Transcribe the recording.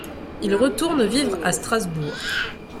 Il retourne vivre à Strasbourg.